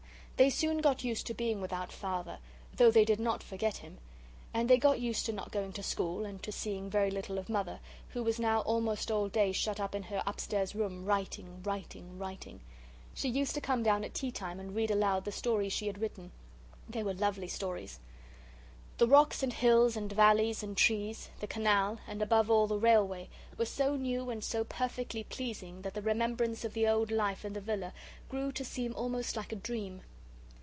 They soon got used to being without Father, though they did not forget him; and they got used to not going to school, and to seeing very little of Mother, who was now almost all day shut up in her upstairs room writing, writing, writing. She used to come down at tea time and read aloud the stories she had written. They were lovely stories. The rocks and hills and valleys and trees, the canal, and above all, the railway, were so new and so perfectly pleasing that the remembrance of the old life in the villa grew to seem almost like a dream.